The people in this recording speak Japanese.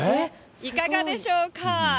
いかがでしょうか。